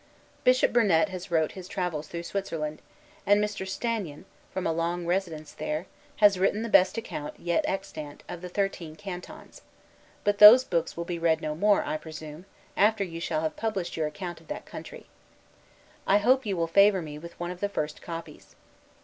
Bishop Burnet has wrote his travels through Switzerland; and Mr. Stanyan, from a long residence there, has written the best account, yet extant, of the Thirteen Cantons; but those books will be read no more, I presume, after you shall have published your account of that country. I hope you will favor me with one of the first copies.